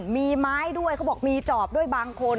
มีไม้ด้วยเขาบอกมีจอบด้วยบางคน